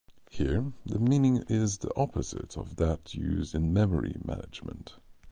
Here, the meaning is the opposite of that used in memory management.